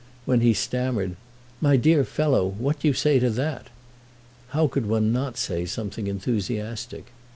When he stammered "My dear fellow, what do you say to that?" how could one not say something enthusiastic?